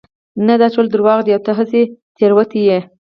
نه دا ټول دروغ دي او ته هسې تېروتي يې